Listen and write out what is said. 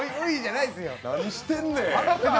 何してんねん。